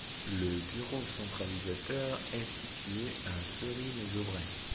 Le bureau centralisateur est situé à Fleury-les-Aubrais.